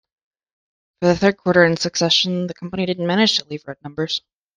For the third quarter in succession, the company didn't manage to leave red numbers.